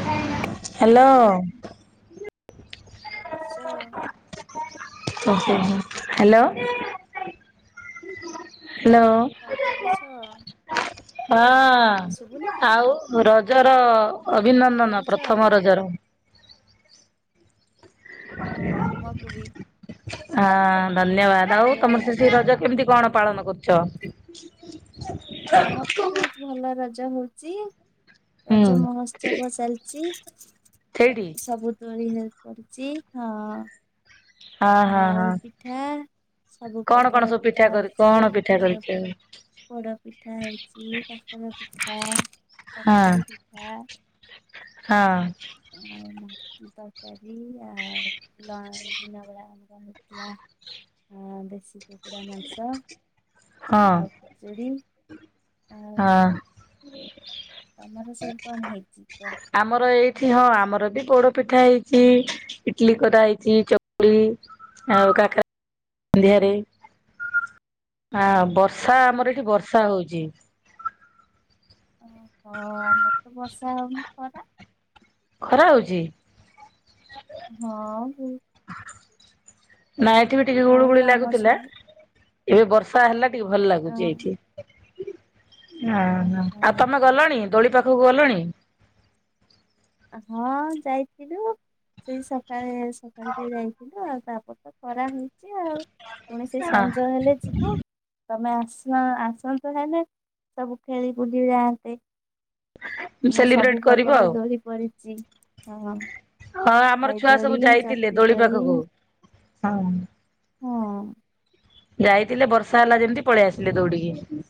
[inaudible] Hello କଣ କରୁଛ? Hello. କଣ କରୁଛ, ହଁ ହଁ ଶୁଭୁନି କି? ଆଉ ରଜର ବୋଲି କଣ ଅଭିନନ୍ଦନ କରୁଛ? ପ୍ରଥମ ରଜର। ହଁ ତୁମକୁ ବି ଆଁ ଧନ୍ୟବାଦ ଆଉ ତମର ଧନ୍ୟବାଦ। ସେ ସେ ରଜ କେମିତି କଣ ପାଳନ କରୁଛ? ଆମର [unintelligible] ବହୁତ ଭଲ ରଜ ହଉଚି ହୁଁ। ରଜ ମହୋତ୍ସବ ଚାଲିଚି। ସେଇଠି ସବୁ ଦୋଳି [inaudible] ହଁ ହଁ ଆଉ ହଁ ପିଠା ସବୁ କଣ କଣ ପ୍ରକାର ସବୁ ପିଠା କରି କଣ ହଉଛି ପିଠା ପୋଡ କରିଛ? ପୋଡ ପିଠା ହେଇଛି କାକରା ପିଠା ହଁ ଚକୁଳି ପିଠା। ହଁ। ଆଉ ତରକାରୀ ଆଉ ଦିନ ବେଳେ ଆମର ହେଇଥିଲା ଦେଶୀ କୁକୁଡ଼ା ମାଂସ ହଁ ଆଉ ଖିଚିଡ଼ି। ହଁ। ତମର ସବୁ କଣ ହେଇଛି? ଆମର ଏଇଠି ହଁ ଆମର ବି ପୋଡପିଠା ହେଇଛି ଇଟଲି କରା ହେଇଛି ଚକୁଳି, ଆଉ କାକରା ସନ୍ଧ୍ୟାରେ। ଆ ବର୍ଷା ଆମର ଏଠି ବର୍ଷା ହଉଛି। ଓ ହ ଆମର ତ ବର୍ଷା ହଉନି ଖରା। ଖରା ହଉଛି? ହଁ। ନାଇଁ ଏଠିବି ଟିିକେ ଆଉ ଗୁଳୁଗୁଳିି ଆମର ଲାଗୁଥିଲା। ସବୁ ଏବେ ବର୍ଷା ହେଲା ଟିକେ ଭଲ ଅ ଲାଗୁଚି ଏଇଠି। ହ ଆଉ ହଁ ତମେ ଗଲଣି ଦୋଳି ପାଖକୁ ଗଲଣି? ହଁ ଯାଇଥିଲୁ, ସେଇ ସକାଳେ ସକାଲେ ଟିକେ ଯାଇଥିଲୁ ଆଉ ତାପରେ ତ୍ ଖରା ହଉଛି ଆଉ, ପୁଣି ସେ ସଞ୍ଜ ହଁ ହେଲେ ଯିବୁ। ତମେ ଆସ ଆସନ୍ତ ହେଲେ, ସବୁ ଖେଳି ବୁଲି ଯାଆନ୍ତେ। ଆମର ସେଲିବ୍ରେଟ ସବୁ କରିବ ପ୍ରକାର ଆଉ ଦୋଳି ପଡିଛି, ହଁ। ହଁ ଆମର ଖାଇ ଛୁଆ ଦୋଳି ସବୁ ଯାଇଥିଲେ ଚକ୍ରି ଦୋଳି ପାଖକୁ ହଁ। ହଁ। ଯାଇଥିଲେ ବର୍ଷା ହେଲା ଯେମିତି ପଳେଇ ଆସିଲେ ଦୌଡିକି।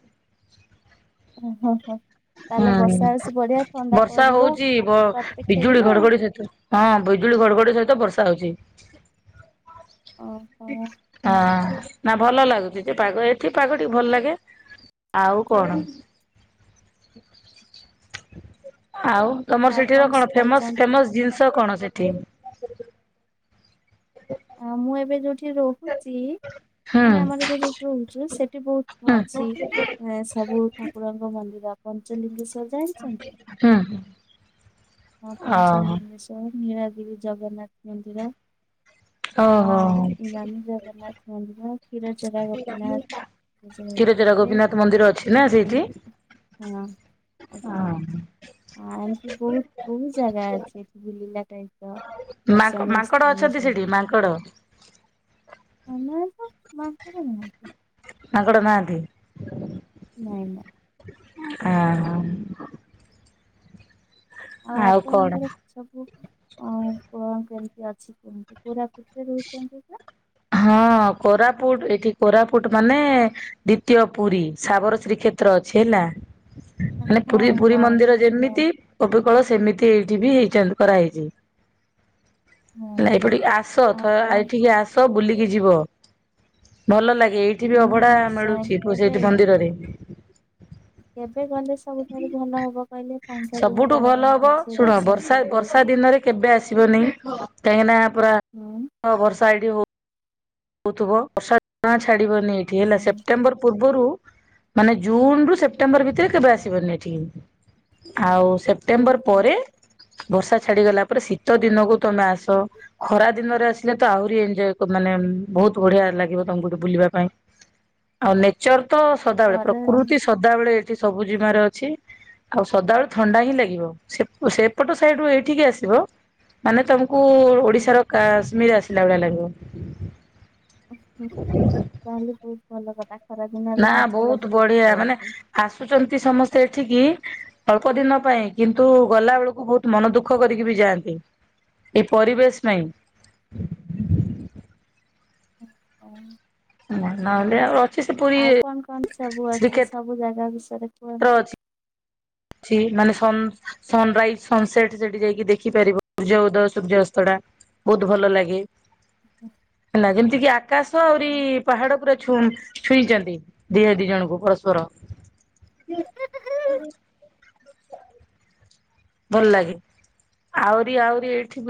ଓ ହୋ ହୋ। ତାହେଲେ ହୁଁ ବର୍ଷା ହଉଛି ବଢିଆ ଥଣ୍ଡା ବର୍ଷା ପଡିବ ହଉଚି ବ ତାପରେ -ବିଜୁଳି ଖେଳିବା ଆଉ। ଘଡଘଡି ସହିତ। ହଁ ବିଜୁଳି ଘଡଘଡି ସହିତ ବର୍ଷା ହଉଛି। ଓହୋ। ହାଁ। ନା ଭଲ ଲାଗୁଛି ଯେ ପାଗ ଏଠି ପାଗ ଟିକେ ଭଲ ଲାଗେ, ଆଉ କଣ? ଆଉ? ତମର ଆଉ ସେଠିର କଣ ଫେମସ ଖାଇଛନ୍ତି? ଫେମସ ଜିନିଷ କଣ ସେଠି? [inaudible] ଆ ମୁଁ ଏବେ ଯୋଉଠି ରହୁଛି, ହୁଁ ମାନେ ଆମର ଏବେ ଯୋଉଠି ରହୁଛୁ ସେଠି ବହୁତ ହୁଁ ଅଛି, ସବୁ ଠାକୁରଙ୍କ ମନ୍ଦିର ପଞ୍ଚଲିଙ୍ଗେଶ୍ଵର। ଜାଣିଛନ୍ତି, ହୁଁ ହଁ ପଞ୍ଚ ଓହୋ ଲିଙ୍ଗେଶ୍ୱର୍। ନୀଳଗିରି ଜଗନ୍ନାଥ ମନ୍ଦିର। ହଁ ଓହୋ। ନୀଳଗିରି ଜଗନ୍ନାଥ ମନ୍ଦିର। କ୍ଷୀରଚୋରା କ୍ଷୀରଚୋରା ଗୋପୀନାଥ ଗୋପୀନାଥ ମନ୍ଦିର ଅଛି [inaudible] ହଁ। ଆଜ୍ଞା। ହଁ। ଆ ଏମିତି ବହୁତ ବହୁତ ଜାଗା ଅଛି ଏଠି ବୁଲିଲା ଟାଇପର। ମାଙ୍କ-ମାଙ୍କଡ ଅଛନ୍ତି ସେଠି ମାଙ୍କଡ? ଆମର ଏପଟେ ମାଙ୍କଡ ନାହାନ୍ତି। ମାଙ୍କଡ ନାହାନ୍ତିି। ନାଇଁ ନାଇଁ। ଆଁ। ଆଉ ଆପଣଙ୍କର ସବୁ ଅ କଣ କେମିତି ଅଛି କୁହନ୍ତୁ, କୋରାପୁଟରେ ରହୁଛନ୍ତି ନା? ହଁ କୋରାପୁଟ ଏଇଠି କୋରାପୁଟ ମାନେ ଦ୍ଵିତୀୟ ପୁରୀ, ସାବର ଶ୍ରୀକ୍ଷେତ୍ର ଅଛି ହେଲା। ମାନେ ପୁରୀ ହଁ ପୁରୀ ହଁ ମୁଁ ମନ୍ଦିର ସେ- ଯେମିତି, ଅବିକଳ ସେମିତି ଏଇଠି ବି ହେଇ କରାହେଇଛି। ହଁ ନାଇଁ ଏପଟିକେ ଆସ, ଆଉ ଥ କଣ ଏଠିକି ଆସ ବୁଲିକି ଯିବ। ଭଲ ଲାଗେ, ଏଇଠି ବି ହଁ ଅଭଢା ନିଶ୍ଚୟ ମିଳୁଛି କେବେ ସେଇଠି ମନ୍ଦିରରେ। କେବେ ଗଲେ ସବୁଠାରୁ ଭଲ ହବ କହିଲେ, ତାଙ୍କେ ସବୁଠୁ ଭଲ ଯେମିତି ଭଲସେ ଦର୍ଶନ କରିପାରିବୁ। ଏବେ ଆସିବନି କାହିଁକିନା ପୁରା ହଁ। ବର୍ଷା ଏଇଠି ହ ଥିବ, ବର୍ଷା ଜମା ଛାଡିବନି ଏଇଠି ହେଲା, ହଁ ସେପ୍ଟେମ୍ବର ପୂର୍ବରୁ ମାନେ ଜୁନ ରୁ ସେପ୍ଟେମ୍ବର ଭିତରେ କେବେ ଆସିବନି ଏଠିକି, ଆଉ ସେପ୍ ସେପ୍ଟେମ୍ବର ଓହୋ ପରେ, ବର୍ଷା ଛାଡିଗଲା ପରେ ଶୀତ ଦିନକୁ ତମେ ଆସ। ଖରା ଦିନରେ ଆସିଲେ ତ ଆହୁରି ଏଞଜୟ ମାନେ ବହୁତ ବଢିଆ ଲାଗିବ ତମକୁ ଗଠେ ବୁଲିବା ପାଇଁ। ଆଉ ନେଚର ତ ସଦାବେଳେ ପ୍ରକୃତି ସଦାବେେଳେ ଏଠି ସବୁ ଜିମାରେ ଅଛି। ଆଉ ସଦାବେଳଳେ ଥଣ୍ଡା ହିଁ ଲାଗିବ। ସେ ସେପଟ ସାଇଡୁ ଏଇଠିକି ଆସିବ। ମାନେ ତମକୁ ଓଡିଶାର କାଶ୍ମୀର ଆସିଲା ଭଳିଆ ଲାଗିବ। ଓ ତାହେଲେ ବହୁତ ଭଲ କଥା। ନା ଖରାଦିନରେ ମଜା ବହୁତ ଲାଗିବ ବଢିଆ ମାନେ ବୁଲିବାକୁ। ଆସୁଛନ୍ତି ସମସ୍ତେ ଏଠିକି ଅଳ୍ପ ଦିନ ପାଇଁ। କିନ୍ତୁ ଗଲା ବେଳକୁ ବହୁତ ମନ ଦୁଃଖ କରିକି ବି ଯାଆନ୍ତି। ଏ ପରିବେଶ ପାଇଁ [inaudible] ନହେଲେ ଅଛି ସେ ଆଉ ପୁରୀରେ କଣ କଣ ସବୁ ଅଛି? ସବୁ ଜାଗା ବିଷୟରେ କୁହନ୍ତୁ। ଅଛି। ଅ ମାନେ ସ ସନରାଇଜ, ସନସେଟ, ସେଠି ଯାଇକି ଦେଖିପାରିବ। ସୂର୍ଯ୍ୟ ଉଦୟ ସୂର୍ଯ୍ୟାସ୍ତ ଟା। ବହୁତ ଭଲ ଲାଗେ। ହେଲା ଯେମିତି କି କାଶ ଆଉରି ପାହାଡ ପୁରା ଛୁଉଁ ଛୁଇଁଛନ୍ତି। ଦିହ ଦି ଜଣଙ୍କୁ ପରସ୍ପର। ଭଲ ଲାଗେ। ଆହୁରି, ଆହୁରି ଏଇଠି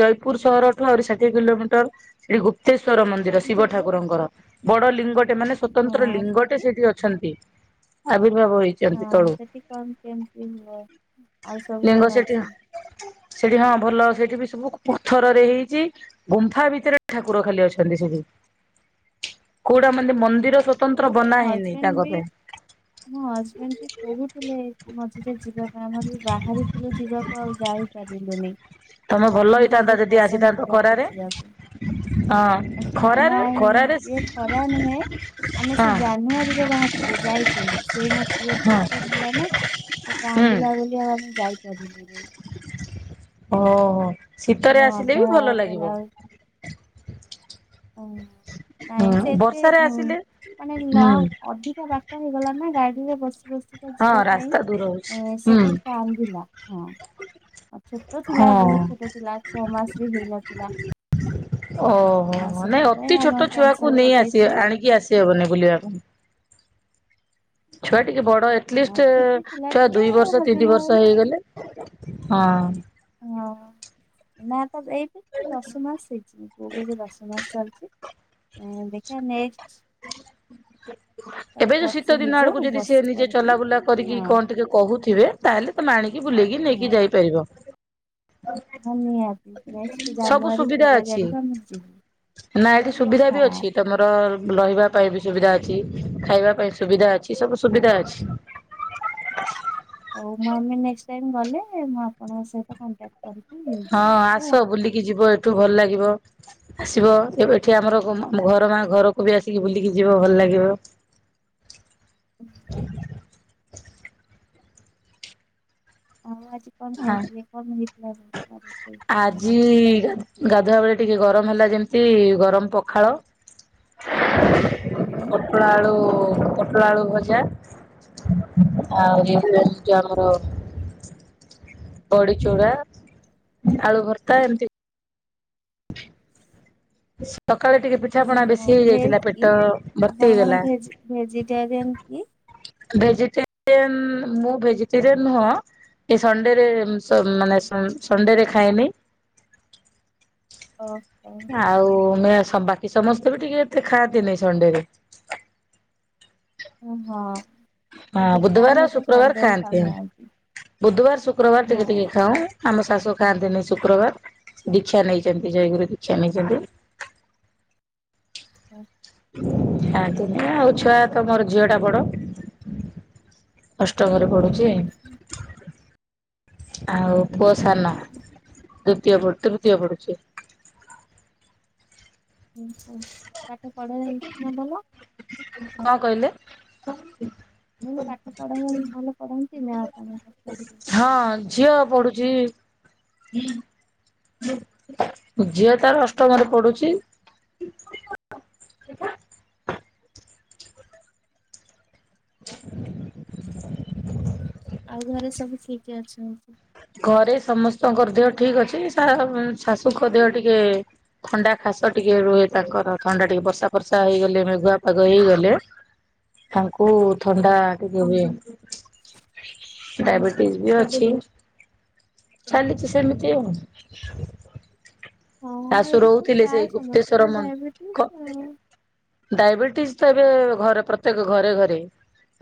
ଜୟପୁର ସହରଠୁ ଆରି ଷାଠିଏ କିଲୋମିଟର। ସେଠି ଗୁପ୍ତେଶଵର ମନ୍ଦିର ଶିବ ଠାକୁରଙ୍କର। ବଡ ଲିଙ୍ଗଟେ ମାନେ ସ୍ଵତନ୍ତ୍ର ହଁ ଲିଙ୍ଗଟେ ସେଠି ସେଇଠି ଅଛନ୍ତି। ଆବିର୍ଭାବ ହେଇଛି। ହଁ ସେଠି କଣ କେମିତି ହୁଏ। ଆଉ ସବୁ ଲିଙ୍ଗ କଣ ସେଠି, ଅଛି? ସେଠି ହଁ ଭଲ। ସେଠି ବି ସବୁ ପଥରରେ ହେଇଛି। ଗୁମ୍ଫା ଭିତରେ ଠାକୁର ଖାଲି ଅଛନ୍ତି ସେଠି। କୋଉଟା ମାନେ ମନ୍ଦିର ସ ହଁ ମୋ ହଜବେଣ୍ଡ ବି ମୋ ହଜବେଣ୍ଡ ବି କହୁଥିଲେ, ମଝିରେ ଯିବା ପାଇଁ, ଆମର ବି ବାହାରିଥିଲୁ ଯିବାକୁ ଆଉ ଯାଇନୁ। [unintelligible] ତମେ ମୋ ଭଲ ହଜବେଣ୍ଡଙ୍କର ହେଇଥାନ୍ତା ବହୁତ ଯଦି ପସନ୍ଦ ଆସିଥାନ୍ତ କୋରାପୁଟ୍ ଖରାରେ ଯିବାକୁ। ହଁ ଖରାରେ ଖରାରେ ନାଇଁ ଇ ଖରା ନୁହେଁ। ଆମେ ସେ ହଁ ଜାନୁଆରୀରେ ବାହାରଥିଲୁ ଯାଇଥିଲୁ। ସେ ମୋ ପୁଅ ହଁ ଛୋଟ ଥିଲା ନା। ଏ ହୁଁ। କାନ୍ଦିଲା ବୋଲି ଆଓ‌ ମୁଁ ଯାଇ ପାରିଲିନି। [inaudible] ଓହୋ ଆମେ ଶୀତରେ ଆସିଲେ ଅଧା ବି ଭଲ କହିଲା ଲାଗିବ। ହଁ ନାଇଁ ହୁଁ ସେତେ ବର୍ଷାରେ ଉଁ ଆସିଲେ ମାନେ ନ ହୁଁ ଅଧିକା ବା ତ ହେଇଗଲା ନା ଗାଡିରେ ବସି ବସି ହଁ କଯିବା ପାଇଁ ରାସ୍ତା ଦୂର ହଉଛି ଏ ସେ ହୁଁ କାଇଁ କାନ୍ଦିଲା ହଁ। ଅ ଛୋଟ ଥିଲା ହଁ ବହୁତ୍ ଛୋଟ ଥିଲା। ଛଅ ମାସ୍ ବି ହେଇନଥିଲା। ଓହୋ ଆ, ଅନେ ସେଥିପାଇଁ ଅତି ଆମେ ଛୋଟ ଛୁଆକୁ କ୍ୟାନସଲ ନେଇ ଆସିଆ କରିଦେଇଥିଲୁ ଆଣିକି ଆସି ସିଅବନି ବୋଲିଆକୁ ଛୁଆ ଟିକେ ବଡ, ଆଉ ଏଟଲିଷ୍ଟ ଛୁଟି ଥିଲା ଛୁଆ ଟିକେ ଦୁଇ ବର୍ଷ ହଜବେଣ୍ଡ ତିନି ବର୍ଷ ବୋଲି ହେଇଗଲେ ହଁ। ହଁମ। ନାତ ବେଇତେ ତ ଦଶ ମାସ୍ ହେଇଛିି। ପୁଅକୁ ଏବେ ଦଶ ମାସ୍ ଚାଲିଛି‌। ଉଁ ଦେଖିଆ ନେକ୍ସଟ୍ [inaudible] [inaudible] ଏବେ ଯୁ ଶୀତ ଦିନ ଆଡକୁ ହେଇଯାଉ ଯଦି ସେ ବର୍ଷେ ନିଜେ ପରେ ପରେ ଚଲାବୁଲା କରିକି ହଁ କଣ ଟିକେ କହୁଥିବେ ତାହେଲେ ତମାଣିକି ବୁଲେଇକି ହଁ ନେଇକି ଯାଇପାରିବ। ହଁ ନିହାତି ନେକ୍ସଟ୍ ସବୁ ଜାନୁଆରୀ ସୁବିଧା ଫେବୁୟାରୀ ଅଛି। ଆଡକୁ ଆମେ ଯିବୁ। ନା ଏଠି ସୁବିଧା ହଁ ବି ଅଛି ତମ ର ରହିବା ପାଇଁ ବି ସୁବିଧା ଅଛି, ଖାଇବା ପାଇଁ ସୁବିଧା ଅଛି, ସବୁ ସୁବିଧା ଅଛି। ହଉ ମୁଁ ଆମେ ନେକ୍ସଟ ଟାଇମ୍ ଗଲେ ମୁଁ ଆପଣଙ୍କ ସହିତ କଣ୍ଟାକ୍ଟ କରି କିି ହଁ ଆସ ବୁଲିକି ଯିବ ଏ ଠୁ ଭଲ ଲାଗିବ ଆସିବ ଏ ବେ ଠି ହଁ। ଆମର ଗମ ମ ଘର ମା ଘର କବି ଆସିକି ବୁଲିକି ଯିବ ଭଲ ଲାଗିବ। ଉହୁଁ। ଆଉ ଆଜି କଣ ଖାଇଥିଲେ କଣ ହେଇଥିଲା? ରୋଷେଇ ଆଜି ଦିନରେ? ଗାଧୁଆ ବେଳେ ଟିକେ ଗରମ ହେଲା ଯେମିତି ଗରମ ପଖାଳ ପଟଳ ଆଳୁ ପଟଳ ଆଳୁ ଭଜା ଆଉ [unintelligible] ଆମର ବଡି ଚୂରା ଆଳୁ ଭର୍ତା ଏମିତି [inaudible] ସକାଳେ ଟିକେ ପିଠାପଣା ଓହୋ ବେଶୀ ଭେଜ୍ ହେଇଯାଇଥିଲା କି ପେଟ ଭର୍ତ୍ତି ଆପଣ କଣ ହେଇଗଲା। ଭେଜି ଭେଜିଟେରିଆନ୍ କି? ଭେଜିଟେ ଆନ ମୁଁ ଭେଜିଟେରିଆନ ନୁହଁ ଏ ସଣ୍ଡେରେ ଉଁମ ତ ମାନେ ସନ ସଣ୍ଡେରେ ଖାଇଏନି। ଓ ହ। ଆଉ ମେଆଷ ବାକି ସମସ୍ତେ ବି ଟିକେ ଦେଖାନ୍ତିନି ସଣ୍ଡେ ରେ ଓ ହଁ। ହଁ ଏବେ ପ୍ରାୟ ବୁଧବାର ଆଉ ଲୋକ ଶୁକ୍ରବାର ସନ୍ଧ୍ୟାରେ ଖାଆନ୍ତି ଖାଉନାହାନ୍ତି ବୁଧୁବାର ଶୁକ୍ରବାର ଟିକେ ହଁ। ଟିକେ ଖାଉଁ। ଆମ ଶାଶୁ ଖାଆନ୍ତିନି ଶୁକ୍ରବାର। ଦୀକ୍ଷା ନେଇଛନ୍ତି ଜୟଗୁରୁ ଦୀକ୍ଷା ନେଇଛନ୍ତି। ଓ ଖାନ୍ତିନି ଆଉ ଛୁଆ ତ ମୋର ଝିଅ ଟା ବଡ। ଅଷ୍ଟମ ରେ ପଡୁଛି। ଆଉ ପୁଅ ସାନ ଦୁତୀୟ ପଢୁ ତୃତୀୟ ପଡୁଛି। ଓହ ପାଠ ପଢ଼ା ଯାଉଛି ନା ଭଲ? କଣ କହିଲେ? ମୁ ପାଠ ପଢ ଭଲ ପଢ଼ନ୍ତି ନା? ଆପଣଙ୍କ ପୁଅ? ହଁ ଝିଅ ପଢୁଛି ହୁଁ। ଝିଅ ତାର ଅଷ୍ଟମରେ ପଢୁଛି। [inaudible] ଆଉ ଘରେ ସବୁ ଠିକ ଅଛନ୍ତି। ଘରେ ସମସ୍ତଙ୍କ ଦେହ ଠିକ ଅଛି ଶା ଶାଶୁଙ୍କ ଦେହ ଟିକେ ଥଣ୍ଡା ଖାସ ଟିକେ ରୁହେ ତାଙ୍କର ଥଣ୍ଡା ଟିକେ ବର୍ଷା ବର୍ଷା ହେଇଗଲେ ମେଘୁଆ ପାଗ ହେଇଗଲେ ତାଙ୍କୁ ଥଣ୍ଡା ଟିକେ ହୁଏ ଡାଇବେଟିସ ବି ଅଛି। ଚାଲିଛି ସେମିତି ଆଉ ହଁ ଶାଶୁ ଏବେ ତ ରହୁଥିଲେ ପ୍ରାୟ ସେଇ ଗୁପ୍ତେଶ୍ଵର ସମସ୍ତଙ୍କୁ ଡାଇବେଟିସ୍ ମନ୍ଦ ଆଉ। ଡାଇବେଟିସ୍ ତ ଏବେ ଘରେ ପ୍ରତ୍ୟେକ ଘରେ ଘରେ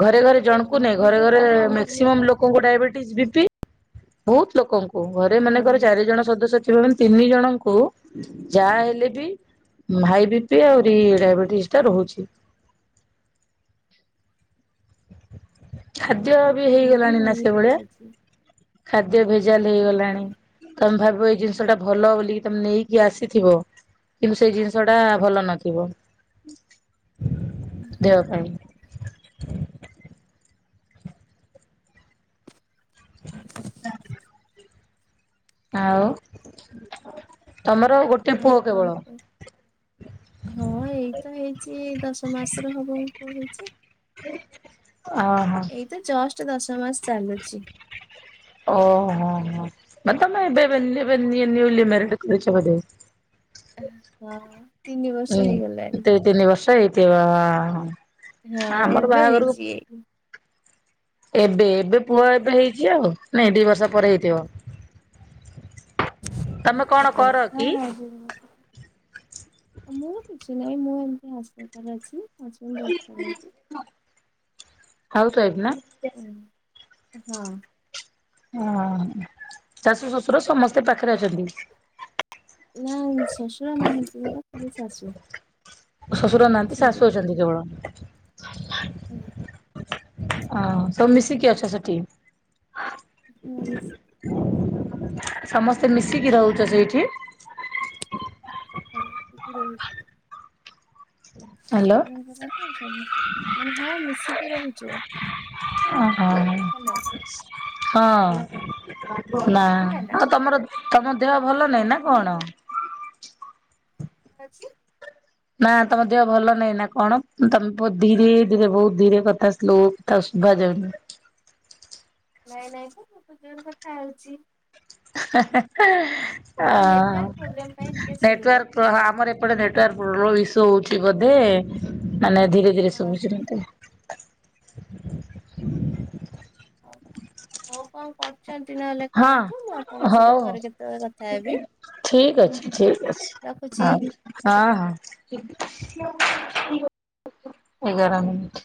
ଘରେ ଘରେ ଜଣଙ୍କୁ ମୋ ନାଇ ଘରେ ଘରେ ଶାଶୁଙ୍କୁ ମକ୍ସିମମ୍ ଲୋକଙ୍କୁ ଡାଇବେଟିସ୍ ବିପି ବହୁତ ଲୋକଙ୍କୁ ଓୋ ଘରେ ହଁ ମାନେ ଘର ଚାରି ଜଣ ସଦସ୍ୟ ଥିବେ ମାନେ ତିନି ଜଣଙ୍କୁ ଯାହା ହେଲେ ବି ହାଇ ବି ପି ଆହୁରି ଡାଇବେଟିସ ଟା ରହୁଛି। ମୋ ଖାଦ୍ୟ ବି ଶାଶୁଙ୍କର ହେଇଗଲାଣି ନା ସେ ଡାଇବେଟିସ୍ ଭଳିଆ ଅଛି। ଖାଦ୍ୟ ଭେଜାଲ ହେଇଗଲାଣି ହୁଁ। ତମେ ଭାବିବ ଏଇ ଜିନିଷ ଟା ଭଲ ବୋଲିକି ତମେ ନେଇକି ଆସିଥିବ କିନ୍ତୁ ସେଇ ଜିନିଷ ଟା ଭଲ ନଥିବ। ହୁଁ ଦେବା ପାଇଁ। ଆଉ ତମର ଗୋଟେ ଆଉ ପୁଅ କଣ କେବଳ କୁହ? ହଁ ଏଇତ ହେଇଛି ଦଶ ମାସର ହବ କ ହେଇଛି ଓହୋ ଏ ତ ଜଷ୍ଟ ଦଶ ମାସ ଚାଲୁଛି ଓହୋ ହୋ ମନେ ତମେ ଏବେ ମାନେ ଏବେ ନିଉଲି ମାରେଡ୍ କରିଛ ବୋଧେ ହଁ ତିନି ଉଁ ବର୍ଷ ହେଇଗଲାଣି। ଦୁଇ ତିନି ବର୍ଷ ହେଇଥିବ ଆ ହ। ହଁ ଏବେ ହେଇଛି। ଏବେ ଏବେ ପୁଅ ଏବେ ହେଇଛି ଆଉ ନାଇଁ ଦି ବର୍ଷ ପରେ ହେଇଥିବ। ହ ତମେ କଣ [inaudible] କର କି ମୁଁ କିଛି ନାହିଁ ମୁଁ ଏମତି ହଉସକିପର ଅଛି ହସ୍ ବେଣ୍ଡ୍ ଜବ କରନ୍ତି ହଉସୱାଇଫ ନା ହଁ ହଁ ଓ ଶାଶୁ ଶ୍ୱଶୁର ସମସ୍ତେ ପାଖରେ ଅଛନ୍ତି? ନା ଶ୍ୱଶୁର ନାହତି ବା ଖାଲି ଶାଶୁ ଶ୍ୱଶୁର ନାହାନ୍ତି ଶାଶୁ ଅଛନ୍ତି କେବଳ? ଆଜ୍ଞା ଅ ସବୁ ମିଶିକି ଅଛ ସେଠି? ହଁ ମିଶିକି ସମସ୍ତେ ମିଶିକି ରହୁଛ ସେଇଠି? ରହୁଛି [inaudible] ହ୍ୟାଲୋ ଆପଣଙ୍କର ମାନେ ହଁ ମିଶିକି ରହୁଛୁ ଓହୋ ହ୍ୟାଲୋ ହଁ ନା ଶୁଭିଲା ନା? ଆଉ ତମର [unintelligible] ତମ ଦେହ ଭଲ ନାହିଁ ନା କଣ? ଛି ନା ତମ ଦେହ ଭଲ ନାହିଁ ନା କଣ ତମେ ଧୀରେ ଧୀରେ ବହୁତ ଧୀରେ କଥା ସ୍ଲୋ? ତାକୁ ଶୁଭା ଯାଉନି ନାଇଁ ନାଇଁ ତ ମୁଁ ଜୋର କଥା ହଉଛି। ଅ ଏଇ ନେଟୱାର୍କ ପ୍ରୋବ୍ଲେମ ପାଇଁ ଟିକେ ନେଟୱାର୍କ ଶୁଭୁନଥିବ। ପ୍ର ଆମର ଏପଟେ ନେଟୱାର୍କ ପ୍ରୋବ୍ ଇସୁ ହଉଛି ବୋଧେ ମାନେ ଧୀରେ ଧୀରେ ହଁ ଶୁଭୁଛି ମତେ ହଉ ହଉ କଣ କର। ଛନ୍ତି ନହେଲେ ହଁ କରନ୍ତୁ ମୁଁ ଆପଣଙ୍କ ହଉ ସହିତ ହଉ। ପରେ କେତେବେଳେ କଥା ହେବି। ଠିକ ଅଛି କିଛ ହଉ ଆସ ରଖୁଛି। ହଁ। ହଁ ହଁ ଏଗାର ମିନିଟ୍।